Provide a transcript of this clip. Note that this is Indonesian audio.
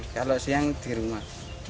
kalau siang di rumah